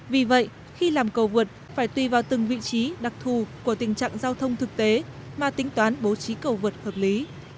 vì vậy khi làm cầu vượt phải tùy vào từng vị trí đặc thù của tình trạng giao thông thực tế mà tính toán bố trí cầu vượt hợp lý